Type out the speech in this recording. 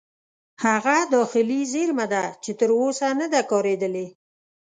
هغه داخلي زیرمه ده چې تر اوسه نه ده کارېدلې.